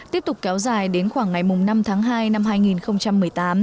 tiếp tục kéo dài đến khoảng ngày năm tháng hai năm hai nghìn một mươi tám